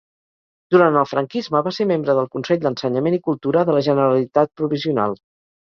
Durant el franquisme va ser membre del Consell d'Ensenyament i Cultura de la Generalitat provisional.